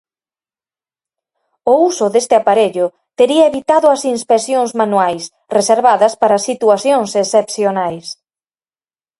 O uso deste aparello tería evitado as inspeccións manuais, reservadas para situacións excepcionais.